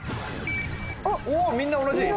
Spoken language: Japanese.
おみんな同じ！